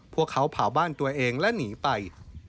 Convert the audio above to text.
พวกเขาเผาบ้านตัวเองและหนีไป